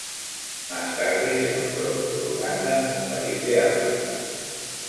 Más tarde se nombró por Uganda, un país de África.